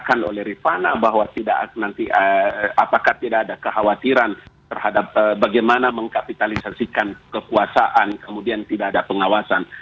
saya katakan oleh rifana bahwa nanti apakah tidak ada kekhawatiran terhadap bagaimana mengkapitalisasikan kekuasaan kemudian tidak ada pengawasan